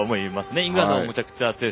イングランドもめちゃくちゃ強いです。